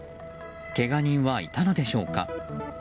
けが人はいたのでしょうか。